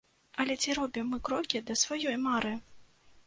Але ці робім мы крокі да сваёй мары?